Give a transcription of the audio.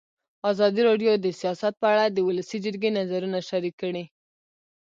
ازادي راډیو د سیاست په اړه د ولسي جرګې نظرونه شریک کړي.